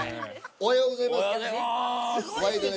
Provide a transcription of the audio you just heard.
おはようございます。